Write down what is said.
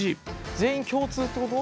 全員共通ってこと？